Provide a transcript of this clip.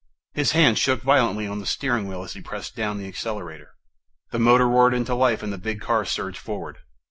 His hands shook violently on the steering wheel as he pressed down the accelerator. The motor roared into life and the big car surged forward.